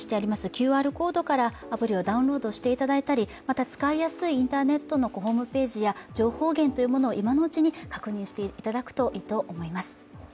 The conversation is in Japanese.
ＱＲコードからアプリをダウンロードしていただいたり、使いやすいインターネットのホームページや情報源を今のうちに確認していただくといいと思います。